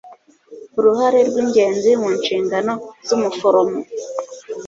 Uruhare rwingenzi mu nshingano zumuforomo